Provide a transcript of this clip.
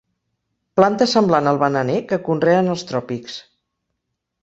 Planta semblant al bananer que conreen als tròpics.